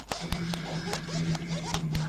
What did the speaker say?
En Colombia: río Loreto.